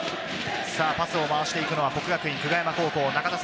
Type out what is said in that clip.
パスを回していくのは國學院久我山高校。